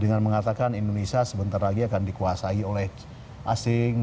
dengan mengatakan bahwa indonesia sebenarnya akan dikuasai oleh asing